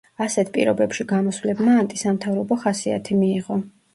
ასეთ პირობებში გამოსვლებმა ანტისამთავრობო ხასიათი მიიღო.